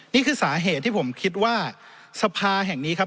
นี่คือสาเหตุที่ผมคิดว่าสภาแห่งนี้ครับ